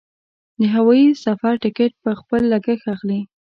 د هوايي سفر ټکټ په خپل لګښت اخلي.